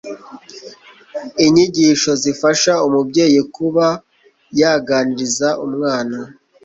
inyigisho zifasha umubyeyi kuba yaganiriza umwana.